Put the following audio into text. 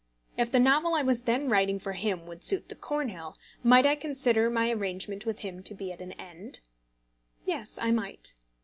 If the novel I was then writing for him would suit the Cornhill, might I consider my arrangement with him to be at an end? Yes; I might.